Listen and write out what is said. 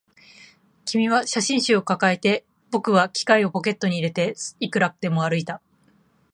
君は写真集を抱えて、僕は機械をポケットに入れて、いくらでも歩いた